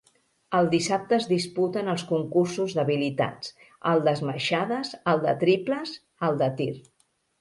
El dissabte es disputen els concursos d'habilitats, el d'esmaixades, el de triples el de tir.